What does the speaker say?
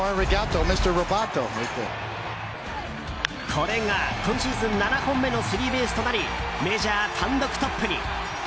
これが今シーズン７本目のスリーベースとなりメジャー単独トップに。